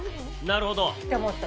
なるほど。